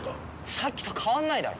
さっきと変わんないだろ！